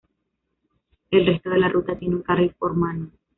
El resto de la ruta tiene un carril por mano.